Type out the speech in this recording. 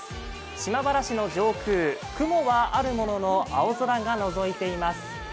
島原市の上空、雲はあるものの、青空がのぞいています。